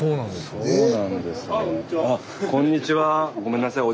そうなんですよ。